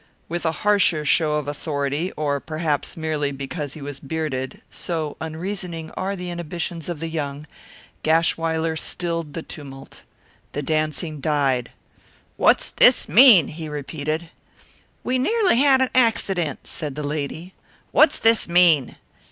With a harsher show of authority, or perhaps merely because he was bearded so unreasoning are the inhibitions of the young Gashwiler stilled the tumult. The dancing died. "What's this mean?" he repeated. "We nearly had an accident," said the lady. "What's this mean?"